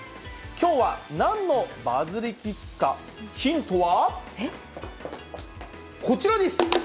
きょうはなんのバズリキッズか、ヒントは。